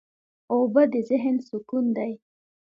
اوبه د ذهن سکون دي.